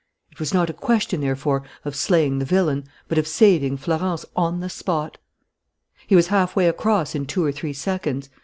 It was not a question, therefore, of slaying the villain, but of saving Florence on the spot. He was halfway across in two or three seconds.